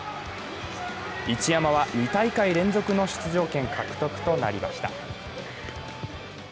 一山は、２大会連続の出場権獲得となりました。